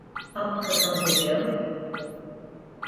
اب ختم ہوگیا۔